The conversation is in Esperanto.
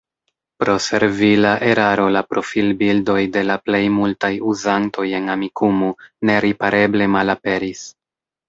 Pro servila eraro la profilbildoj de la plej multaj uzantoj en Amikumu neripareble malaperis.